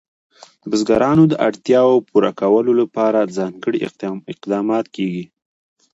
د بزګانو د اړتیاوو پوره کولو لپاره ځانګړي اقدامات کېږي.